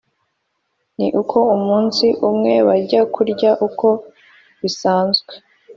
ni uko umunsi umwe bajya kurya uko bisanzwe